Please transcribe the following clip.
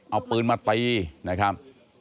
เอาปืนมาตีนะครับ